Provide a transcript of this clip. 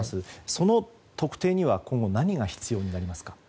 その特定には今後、何が必要になりますか？